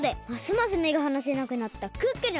ますめがはなせなくなった「クックルン」。